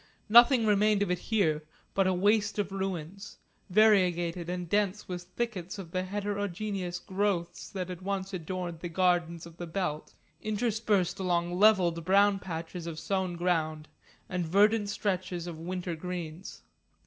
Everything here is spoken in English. Nothing remained of it here but a waste of ruins, variegated and dense with thickets of the heterogeneous growths that had once adorned the gardens of the belt, interspersed among levelled brown patches of sown ground, and verdant stretches of winter greens.